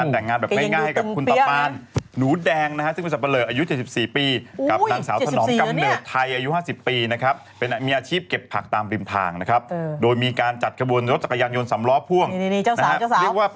มันมีลูกแมวอยู่ด้วยมีลูกแมวด้วย